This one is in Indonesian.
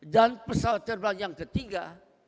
dan pesawat terbang yang ketiga